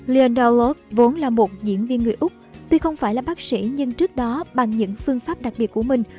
lion doworld vốn là một diễn viên người úc tuy không phải là bác sĩ nhưng trước đó bằng những phương pháp đặc biệt của mình